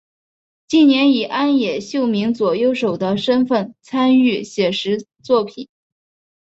近年以庵野秀明左右手的身份参与写实作品。